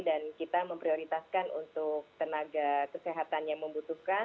dan kita memprioritaskan untuk tenaga kesehatan yang membutuhkan